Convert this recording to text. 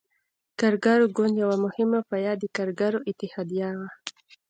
د کارګر ګوند یوه مهمه پایه د کارګرو اتحادیه وه.